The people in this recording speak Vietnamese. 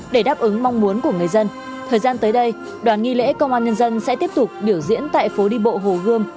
để đáp ứng mong muốn của người dân thời gian tới đây đoàn nghi lễ công an nhân dân sẽ tiếp tục biểu diễn tại phố đi bộ hồ gươm